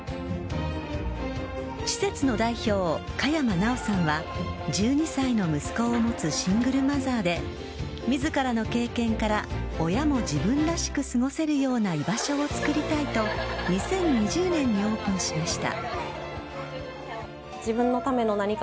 施設の代表・佳山奈央さんは１２歳の息子を持つシングルマザーで自らの経験から親も自分らしく過ごせるような居場所を作りたいと２０２０年にオープンしました。